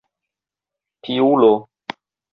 Piulo!